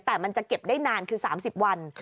แต่มันจะเก็บได้นานคือ๓๐วัน